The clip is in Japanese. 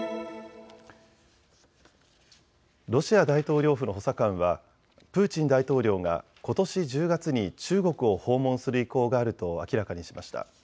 ロシア大統領府の補佐官はプーチン大統領がことし１０月に中国を訪問する意向があると明らかにしました。